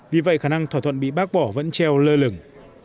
vì vậy khả năng thỏa thuận bị bác bỏ vẫn treo lơ lửng